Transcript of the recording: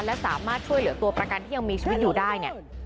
และสามารถช่วยเหลือตัวประกันที่ยังมีชีวิตอยู่ได้เนี่ย